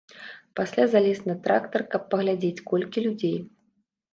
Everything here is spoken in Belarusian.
Пасля залез на трактар, каб паглядзець, колькі людзей.